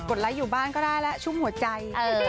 ไลค์อยู่บ้านก็ได้แล้วชุ่มหัวใจ